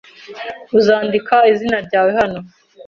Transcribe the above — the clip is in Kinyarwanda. Uzandika izina ryawe hano?